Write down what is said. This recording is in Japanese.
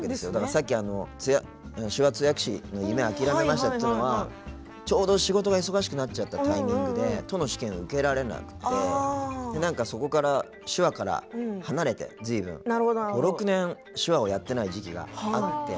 さっき手話通訳士の夢諦めましたっていうのはちょうど、仕事が忙しくなっちゃったタイミングで都の試験を受けれなくてそこから、手話から離れて５６年手話をやってない時期があって。